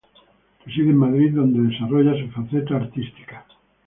Reside en Madrid donde desarrolla su faceta artística.